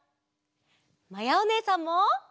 まやおねえさんも！